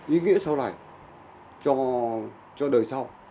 ý nghĩa sau này cho đời sau